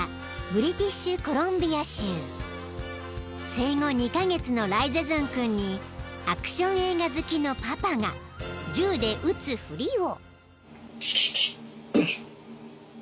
［生後２カ月のライゼゾン君にアクション映画好きのパパが銃で撃つふりを］